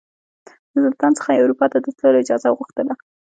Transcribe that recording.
د سلطان څخه یې اروپا ته د تللو اجازه وغوښتله.